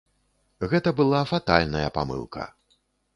Гэта была фатальная памылка.